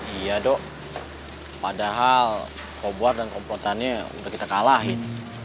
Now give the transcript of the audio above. iya dok padahal cobar dan kompotannya udah kita kalahin